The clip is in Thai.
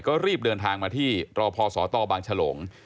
ก็รีบเดินทางมาที่ตรพศตบางฉลง